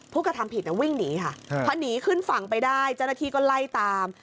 กระทำผิดวิ่งหนีค่ะพอหนีขึ้นฝั่งไปได้เจ้าหน้าที่ก็ไล่ตาม